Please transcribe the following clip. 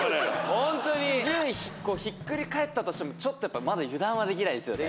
ホントに順位ひっくり返ったとしてもちょっとやっぱまだ油断はできないですよね